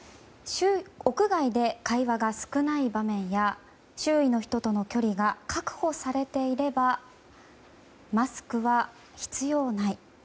屋外で会話が少ない場面や周囲の人との距離が確保されていればマスクは必要ない。